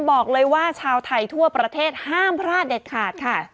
บอกเลยว่าชาวไทยทั่วประเทศห้ามพลาดเด็ดขาดค่ะ